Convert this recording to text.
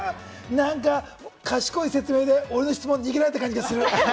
賢い説明で俺の質問、逃げられた感じがする。